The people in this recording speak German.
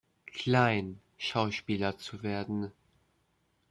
Klein, Schauspieler zu werden.